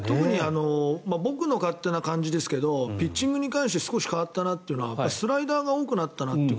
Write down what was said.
僕の勝手な感じですけどピッチングに関して少し変わったなというのはスライダーが多くなったなと。